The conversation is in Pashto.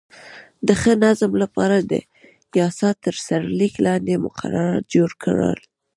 د ښه نظم لپاره یې د یاسا تر سرلیک لاندې مقررات جوړ کړل.